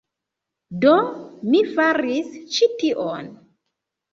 Do, mi faris ĉi tion